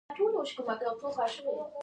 که ګورم ځان سره لګیا یم.